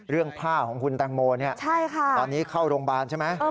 เรื่องผ้าของคุณตังโมเนี่ยตอนนี้เข้าโรงพยาบาลใช่ไหมใช่ค่ะ